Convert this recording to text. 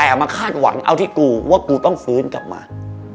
แต่มาคาดหวังเอาที่กูว่ากูต้องฟื้นกลับมา